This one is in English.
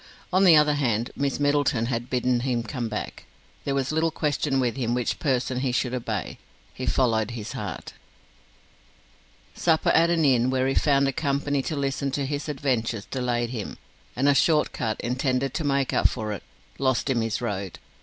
On the other hand, Miss Middleton had bidden him come back. There was little question with him which person he should obey: he followed his heart. Supper at an inn, where he found a company to listen to his adventures, delayed him, and a short cut, intended to make up for it, lost him his road.